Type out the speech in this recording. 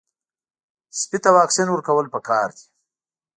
سپي ته واکسین ورکول پکار دي.